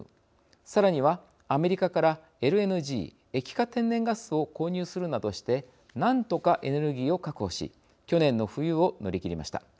さらには、アメリカからＬＮＧ＝液化天然ガスを購入するなどして何とかエネルギーを確保し去年の冬を乗り切りました。